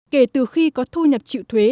kể từ khi có thu nhập trịu thuế